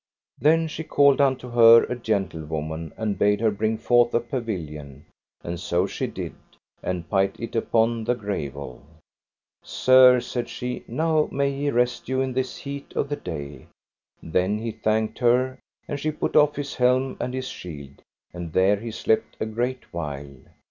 Then she called unto her a gentlewoman and bade her bring forth a pavilion; and so she did, and pight it upon the gravel. Sir, said she, now may ye rest you in this heat of the day. Then he thanked her, and she put off his helm and his shield, and there he slept a great while.